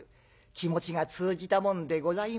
気持ちが通じたもんでございましょう。